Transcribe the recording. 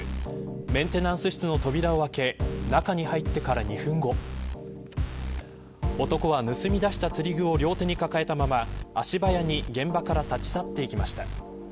メンテナンス室の扉を開け中に入ってから２分後男は盗み出した釣具を両手に抱えたまま足早に現場から立ち去っていきました。